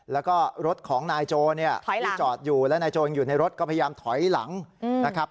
แล้วก็รถของนายโจเนี่ยที่จอดอยู่และนายโจงอยู่ในรถก็พยายามถอยหลังนะครับ